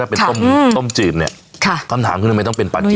เป็นต้มต้มจืดเนี่ยคำถามคือทำไมต้องเป็นปลาจีน